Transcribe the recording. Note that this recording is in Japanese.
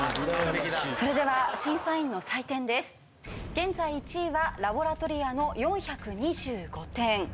現在１位はラボラトリアの４２５点。